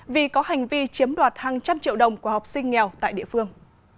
vì có hành vi chiếm đoạt hàng trăm triệu đồng của học sinh nghèo tại địa phương